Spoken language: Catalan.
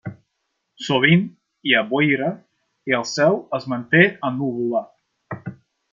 Sovint hi ha boira i el cel es manté ennuvolat.